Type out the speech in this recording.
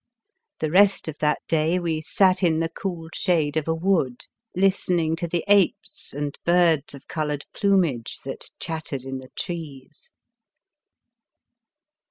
The rest of that day we sat in 33 The Fearsome Island the cool shade of a wood, listening to the apes and birds of coloured plumage that chattered in the trees.